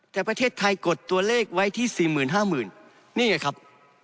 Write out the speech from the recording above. แต่ประเทศไทยกดตัวเลขไว้ที่๔๕๐๐๐นี่ไงครับ